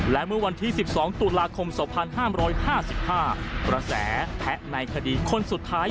และเมื่อวันที่สิบสองตุลาคมสองพันห้ามร้อยห้าสิบห้าระแสแพะในคดีคนสุดท้าย